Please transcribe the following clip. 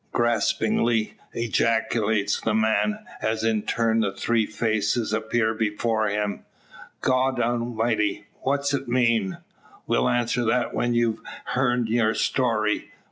gaspingly ejaculates the man, as in turn the three faces appear before him. "God Almighty! what's it mean?" "We'll answer that when we've heern your story.